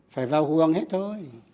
phải vào khu văn hết thôi